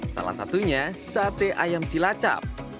salah satunya sate ayam cilacap